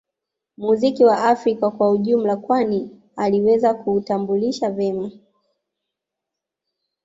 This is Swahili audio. Muziki wa Afrika kwa ujumla kwani aliweza kuutambulisha vema